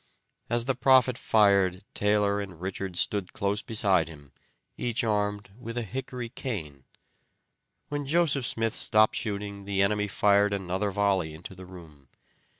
As the prophet fired Taylor and Richards stood close beside him, each armed with a hickory cane. When Joseph Smith stopped shooting the enemy fired another volley into the room.